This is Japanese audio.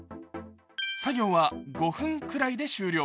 作業は５分くらいで終了。